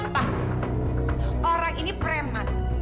pak orang ini preman